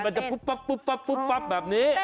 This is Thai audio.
มันจะปุ๊บแบบนี้